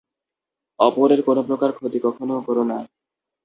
অপরের কোন প্রকার ক্ষতি কখনও কর না।